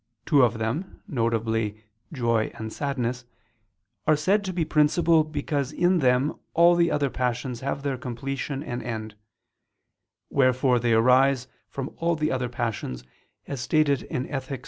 Two of them, viz. joy and sadness, are said to be principal because in them all the other passions have their completion and end; wherefore they arise from all the other passions, as is stated in _Ethic.